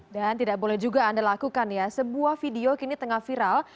dan tidak boleh juga anda lakukan ya sebuah video kini tengah viral